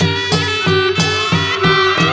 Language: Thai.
มีชื่อว่าโนราตัวอ่อนครับ